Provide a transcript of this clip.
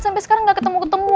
sampai sekarang gak ketemu ketemu